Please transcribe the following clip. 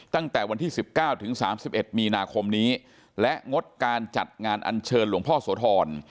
ตั้งแต่วันที่๑๙ถึง๓๑มีนาคมนี้และงดการจัดงานอัญเชิญหลวงพ่อโสธร